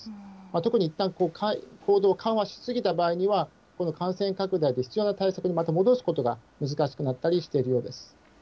特にいったん行動を緩和し過ぎた場合には、この感染拡大で必要な対策にまた戻すことが難しくなったりしているようです。